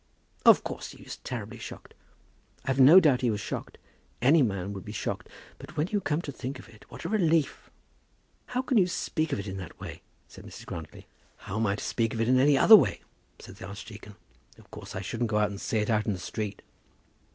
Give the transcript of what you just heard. "Of course he was terribly shocked." "I've no doubt he was shocked. Any man would be shocked. But when you come to think of it, what a relief!" "How can you speak of it in that way?" said Mrs. Grantly. "How am I to speak of it in any other way?" said the archdeacon. "Of course I shouldn't go and say it out in the street."